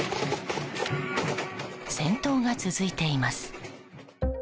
戦闘が続いています。